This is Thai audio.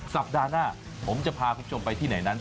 สัปดาห์หน้าผมจะพาคุณผู้ชมไปที่ไหนนั้น